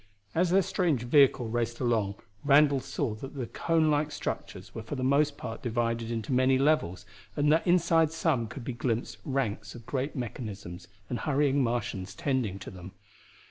As their strange vehicle raced along, Randall saw that the conelike structures were for the most part divided into many levels, and that inside some could be glimpsed ranks of great mechanisms and hurrying Martians tending them.